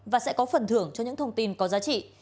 và sẽ có phần thưởng cho những thông tin có giá trị